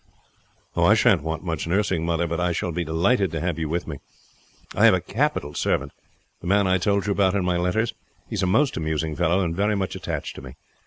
"I shan't want much nursing, mother; but I shall be delighted to have you with me. I have a capital servant. The man I told you about in my letters. He is a most amusing fellow and very much attached to me.